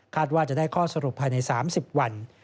ว่าจะได้ข้อสรุปภายใน๓๐วัน